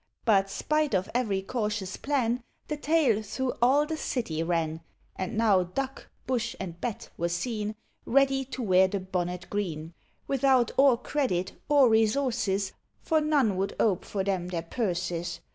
But, spite of every cautious plan, The tale through all the city ran; And now Duck, Bush, and Bat were seen Ready to wear the bonnet green, Without or credit or resources, For none would ope for them their purses.